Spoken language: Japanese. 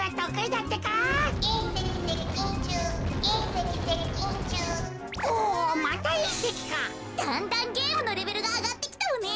だんだんゲームのレベルがあがってきたわね。